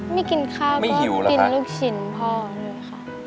ไม่กินข้าวก็กินลูกชิ้นพ่อเลยค่ะ